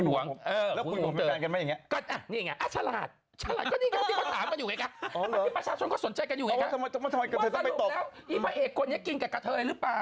วันดีคืนดีสมมุต๑๐นไม่ค่อยล่ะ